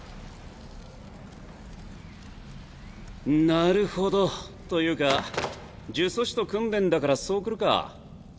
なるほど。というか呪詛師と組んでんだからそうくるか。